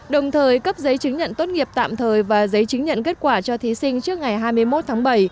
đồng thời cấp giấy chứng nhận tốt nghiệp tạm thời và giấy chứng nhận kết quả cho thí sinh trước ngày hai mươi một tháng bảy